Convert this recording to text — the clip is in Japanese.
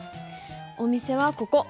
お店はここ。